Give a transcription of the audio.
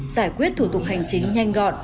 giải quyết thủ tục hành chính nhanh gọn